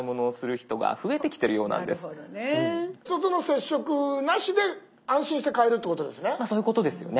人との接触なしで安心して買えるってことですね。